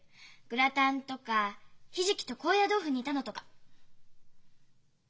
グラタンとかひじきと高野豆腐煮たのとか。